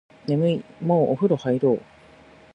眠いもうお風呂入ろう